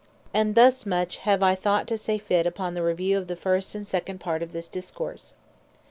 And thus much I have thought fit to say upon the Review of the first and second part of this Discourse.